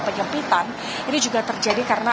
penyempitan ini juga terjadi karena